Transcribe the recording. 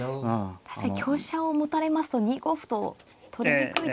確かに香車を持たれますと２五歩と取りにくいですね。